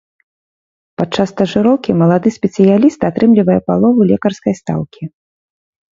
Падчас стажыроўкі малады спецыяліст атрымлівае палову лекарскай стаўкі.